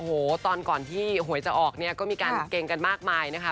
โอ้โหตอนก่อนที่หวยจะออกเนี่ยก็มีการเกรงกันมากมายนะคะ